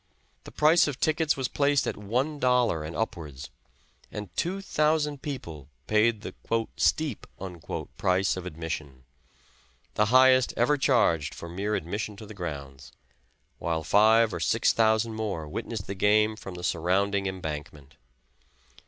The price of tickets was placed at one dollar and upwards, and two thousand people paid the "steep" price of admission, the highest ever charged for mere admission to the grounds, while five or six thousand more witnessed the game from the surrounding embankment.